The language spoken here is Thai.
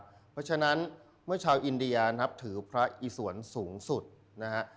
เพราะฉะนั้นเมื่อชาวอินเดียนับถือพระอิสวนสูงสุดนะฮะ